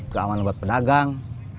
keamanan buat pedagang